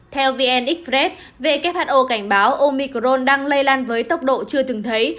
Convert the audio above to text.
theo vnx fred who cảnh báo omicron đang lây lan với tốc độ chưa từng thấy